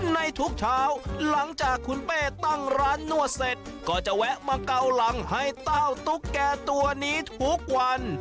ในทุกเช้าหลังจากคุณเป้ตั้งร้านนวดเสร็จก็จะแวะมาเกาหลังให้เต้าตุ๊กแก่ตัวนี้ทุกวัน